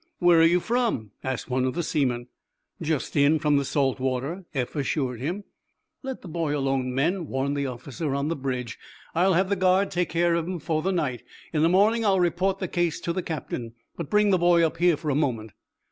"Where are you from?" asked one of the seamen. "Just in from the salt water," Eph assured him. "Let the boy alone, men," warned the officer on the bridge. "I'll have the guard take care of him for the night. In the morning I'll report the case to the captain. But bring the boy up here for a moment."